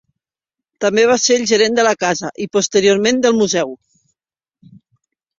També va ser el gerent de la casa i, posteriorment, del museu.